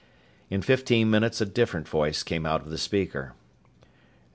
In fifteen minutes a different voice came from the speaker.